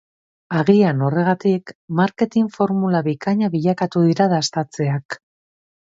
Agian, horregatik, marketing-formula bikaina bilakatu dira dastatzeak.